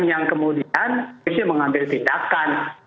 yang kemudian mengambil tindakan